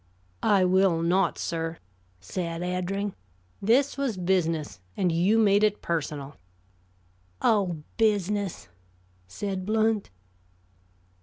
"I will not, sir," said Eddring. "This was business, and you made it personal." "Oh, business!" said Blount.